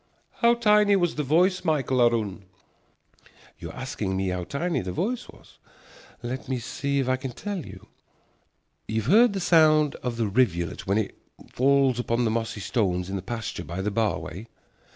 "How tiny was the voice, Michael aroon?" You are asking me how tiny was the voice? Let me see if I can tell you. You have heard the sound of the rivulet when it falls upon the mossy stones in the pasture by the bar way?